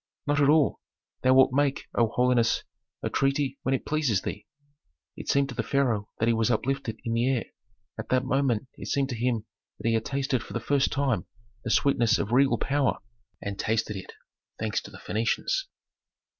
"Not at all. Thou wilt make, O holiness, a treaty when it pleases thee." It seemed to the pharaoh that he was uplifted in the air. At that moment it seemed to him that he had tasted for the first time the sweetness of regal power, and tasted it, thanks to the Phœnicians.